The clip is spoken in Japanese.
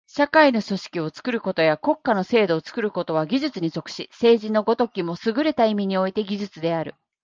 社会の組織を作ることや国家の制度を作ることは技術に属し、政治の如きもすぐれた意味において技術である。